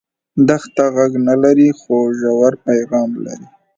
دښته غږ نه لري خو ژور پیغام لري.